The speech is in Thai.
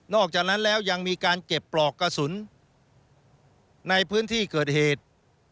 อกจากนั้นแล้วยังมีการเก็บปลอกกระสุนในพื้นที่เกิดเหตุ